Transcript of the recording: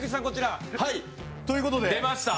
出ました。